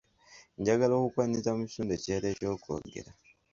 Njagala okukwaniriza mu kitundu ekirala eky’okwogera.